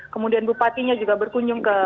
kemudian bupatinya juga berkunjung ke